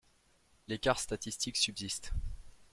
L’écart statistique subsiste.